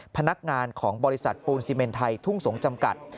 พนักงานของบริษัทปูนซีเมนไทยทุ่งสงศ์จำกัด